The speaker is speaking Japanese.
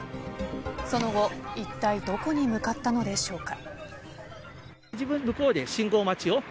その後、いったいどこに向かったのでしょうか。